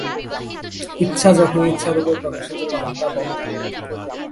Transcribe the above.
ইচ্ছা যখন ইচ্ছারূপে প্রকাশিত, তখন তা বদ্ধ।